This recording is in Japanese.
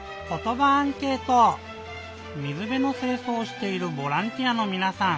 水べのせいそうをしているボランティアのみなさん。